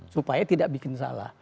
supaya tidak bikin salah